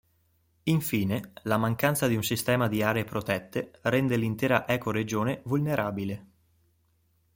Infine, la mancanza di un sistema di aree protette rende l'intera ecoregione vulnerabile.